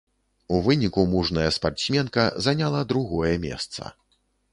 У выніку мужная спартсменка заняла другое месца.